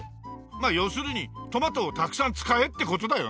まあ要するにトマトをたくさん使えって事だよね！